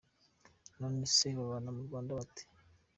Nonese babana mu Rwanda bate” ?